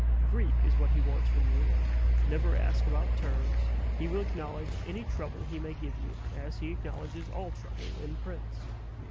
Greek is what he wants from you; never ask about terms. He will acknowledge any trouble he may give you, as he acknowledges all trouble, en prince.